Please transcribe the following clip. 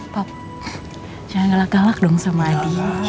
pap jangan galak galak dong sama adi ya